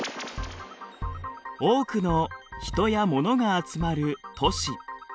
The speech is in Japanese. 多くの人やモノが集まる都市。